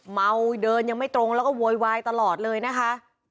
เมาเดินยังไม่ตรงแล้วก็โวยวายตลอดเลยนะคะ